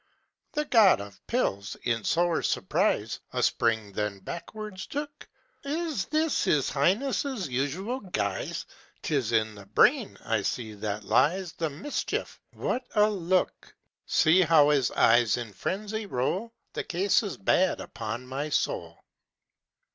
The god of pills, in sore surprise, A spring then backwards took: "Is this his highness' usual guise? 'Tis in the brain, I see, that lies The mischief what a look! See how his eyes in frenzy roll! The case is bad, upon my soul!